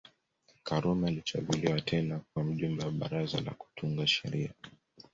Karume alichaguliwa tena kuwa Mjumbe wa Baraza la Kutunga Sheria